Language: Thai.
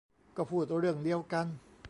ก็พูดเรื่องเดียวกัน